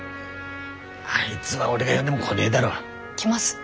あいづは俺が呼んでも来ねえだろ。来ます。